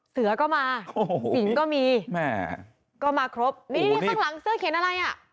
เสือก็มาโอ้โหสิงก็มีแม่ก็มาครบนี่ข้างหลังเสื้อเขียนอะไรอ่ะ